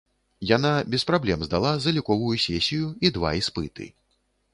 Яна без праблем здала заліковую сесію і два іспыты.